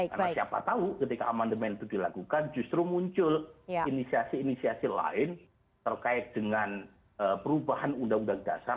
karena siapa tahu ketika amandemen itu dilakukan justru muncul inisiasi inisiasi lain terkait dengan perubahan undang undang kelas